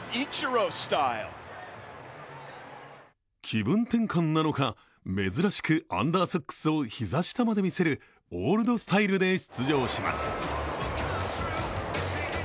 気分転換なのか、珍しくアンダーソックスを膝下まで見せるオールドスタイルで出場します。